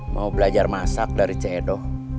mau belajar masak dari c edo